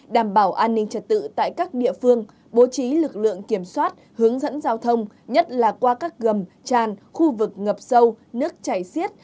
đảm bảo an ninh trật tự tại các địa phương bố trí lực lượng kiểm soát hướng dẫn giao thông nhất là qua các gầm tràn khu vực ngập sâu nước chảy xiết